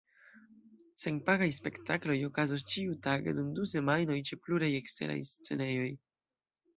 Senpagaj spektakloj okazos ĉiutage dum du semajnoj ĉe pluraj eksteraj scenejoj.